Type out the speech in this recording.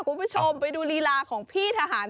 คุณผู้ชมไปดูลีลาของพี่ทหาร